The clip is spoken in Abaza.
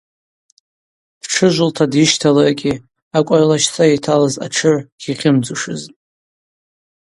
Дтшыжвылта дйыщталыргьи акӏвар лащцара йталыз атшыгӏв дгьихьымдзушызтӏ.